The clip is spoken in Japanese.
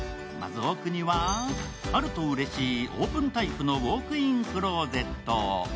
まず奥には、あるとうれしいオープンタイプのウォークインクローゼット。